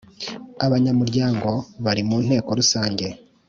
Abanyamuryango bari mu Nteko Rusange